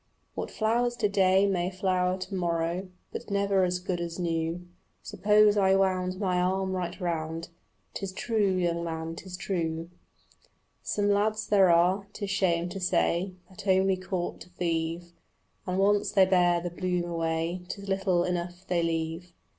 What flowers to day may flower to morrow, But never as good as new. Suppose I wound my arm right round " 'Tis true, young man, 'tis true." Some lads there are, 'tis shame to say, That only court to thieve, And once they bear the bloom away 'Tis little enough they leave.